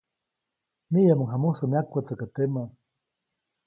Niʼiyäʼmuŋ jamusä myakwätsäkä temä.